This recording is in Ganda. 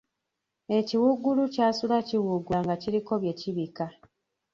Ekiwuggulu kyasula kiwuugula nga kiriko bye kibika.